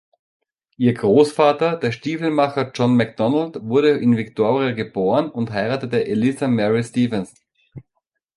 Ihr Großvater, der Stiefelmacher John McDonald, wurde in Victoria geboren und heiratete Eliza Mary Stevenson.